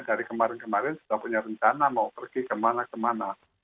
dari kemarin kemarin sudah punya rencana mau pergi kemana kemana